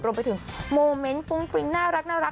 รวมไปถึงโมเมนต์ฟุ้งฟริ้งน่ารัก